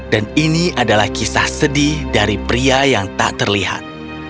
dan ini adalah kisah sedih dari pria yang tak terlihat